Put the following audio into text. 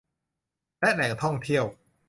และแหล่งท่องเที่ยว